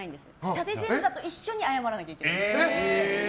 立前座と一緒に謝らないといけない。